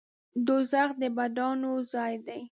دوزخ د بدانو ځای دی